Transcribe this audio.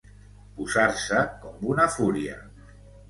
Posar-se com una fúria.